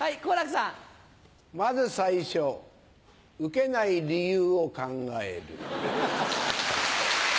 先ず最初ウケない理由を考える。